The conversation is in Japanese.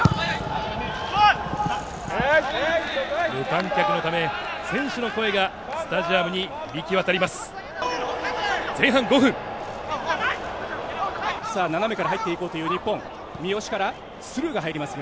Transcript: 無観客のため、選手の声がスタジアムに響き渡ります。